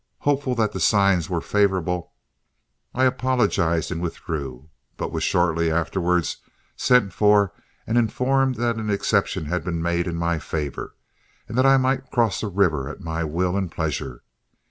Hopeful that the signs were favorable, I apologized and withdrew, but was shortly afterwards sent for and informed that an exception had been made in my favor, and that I might cross the river at my will and pleasure.